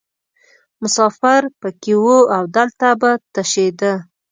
مسافر پکې وو او دلته به تشیده.